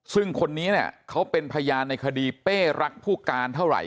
ซึ่งคนนี้เนี่ยเขาเป็นพยานในคดีเป้รักผู้การเท่าไหร่